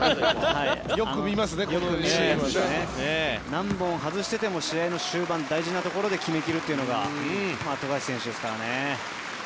何本外してても試合の終盤、大事なところで決め切るというのが富樫選手ですからね。